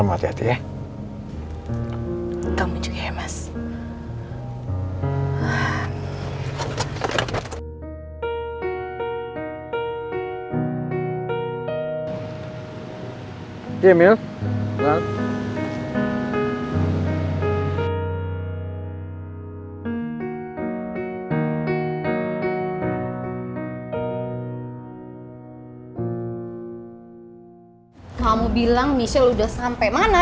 michelle udah sampe mana